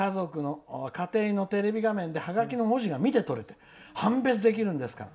家庭のテレビ画面でハガキの文字が見て取れて判別できるんですから。